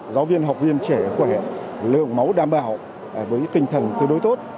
giáo viên học viên trẻ khỏe lượng máu đảm bảo với tinh thần tương đối tốt